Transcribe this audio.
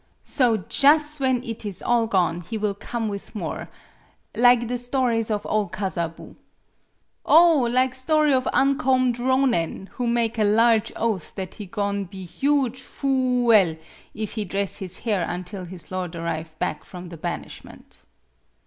So jus' when it is all gone he will come with more lig the stories of ole Kazabu. Ohf lig story of Uncombed Ronin, who make a large oath that he go'n' be huge foo el if he dress his hair until his lord arrive back from the banishment.